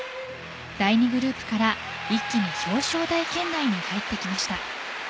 第２グループから一気に表彰台圏内に入ってきました。